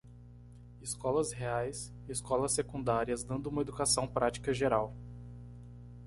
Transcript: Escolas reais? escolas secundárias dando uma educação prática geral